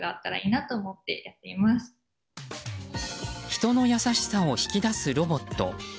人の優しさを引き出すロボット。